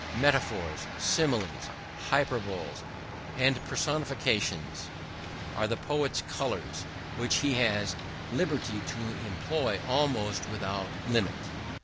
Metaphors, similes, hyperboles, and personifications, are the poet's colours, which he has liberty to employ almost without limit.